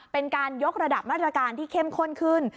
เป็นการยกระดับมาตรการที่เข้มข้นขึ้น